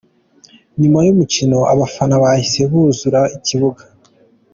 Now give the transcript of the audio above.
Nyuma y’umukino abafana bahise buzura ikibuga.